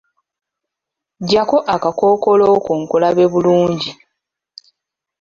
Ggyako akakookolo ko nkulabe bulungi.